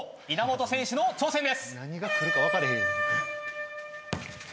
稲本選手の挑戦です。